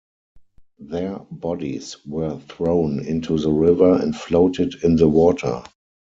Their bodies were thrown into the river and floated in the water.